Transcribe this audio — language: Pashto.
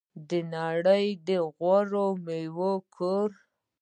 د نړۍ د غوره میوو کور.